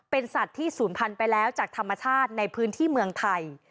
เป็นสัตว์ที่ศูนย์พันธุ์ไปแล้วจากธรรมชาติในพื้นที่เมืองไทย